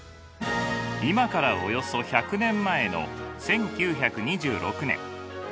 今からおよそ１００年前の１９２６年。